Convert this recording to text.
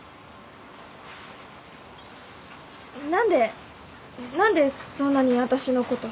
何で何でそんなにわたしのこと。